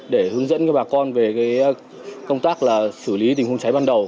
để hướng dẫn cho bà con về công tác là xử lý tình huống cháy ban đầu